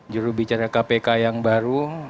jurubicara kpk yang baru